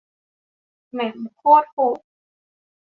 แม่มโคตรโหด